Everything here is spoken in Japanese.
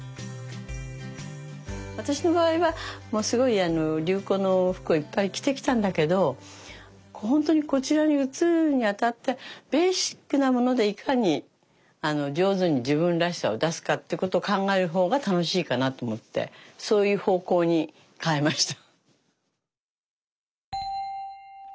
私の場合はもうすごい流行の服をいっぱい着てきたんだけどほんとにこちらに移るにあたってベーシックなものでいかに上手に自分らしさを出すかってことを考える方が楽しいかなと思ってそういう方向に変えました。